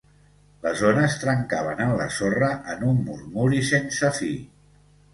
Les ones trencaven en la sorra en un murmuri sense fi.